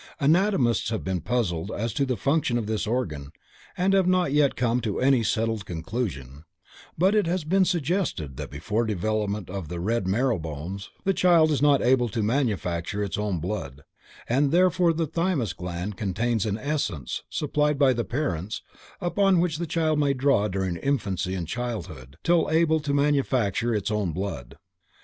Anatomists have been puzzled as to the function of this organ and have not yet come to any settled conclusion, but it has been suggested that before development of the red marrow bones, the child is not able to manufacture its own blood, and that therefore the thymus gland contains an essence, supplied by the parents, upon which the child may draw during infancy and childhood, till able to manufacture its own blood.